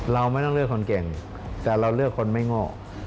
เราไม่ต้องเลือกคนเก่งแต่เราเลือกคนไม่โง่